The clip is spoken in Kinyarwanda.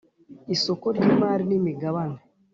isoko ry imari n imigabane